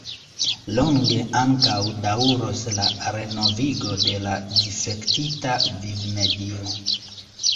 Longe ankaŭ daŭros la renovigo de la difektita vivmedio.